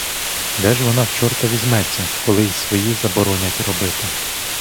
Де ж вона в чорта візьметься, коли й свої забороняють робити!